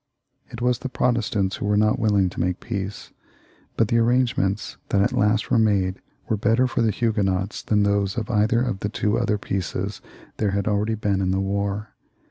It was the Protestants who were not willing to make peace, but the arrangements that at last were made were better for the Huguenots than those of either of the two other peaces there had already been in this war.